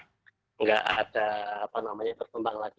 tidak ada apa namanya berkembang lagi